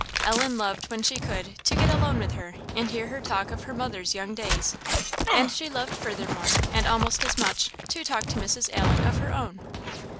Ellen loved, when she could, to get alone with her, and hear her talk of her mother's young days: and she loved furthermore, and almost as much, to talk to Mrs. Allen of her own.